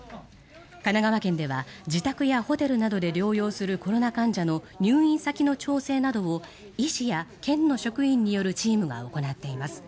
神奈川県では自宅やホテルなどで療養するコロナ患者の入院先の調整などを医師や県の職員によるチームが行っています。